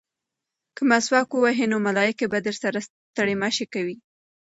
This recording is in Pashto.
که مسواک ووهې نو ملایکې به درسره ستړې مه شي کوي.